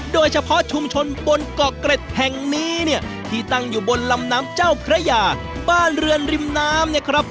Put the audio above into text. โดยเฉพาะชุมชนบนเกาะเกร็ดแห่งนี้เนี่ยที่ตั้งอยู่บนลำน้ำเจ้าพระยาบ้านเรือนริมน้ำเนี่ยครับ